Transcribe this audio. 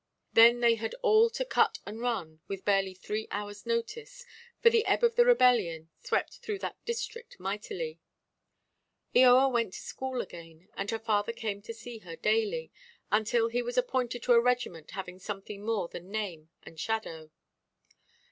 Then they had all to cut and run, with barely three hours' notice, for the ebb of the rebellion swept through that district mightily. Eoa went to school again, and her father came to see her daily, until he was appointed to a regiment having something more than name and shadow.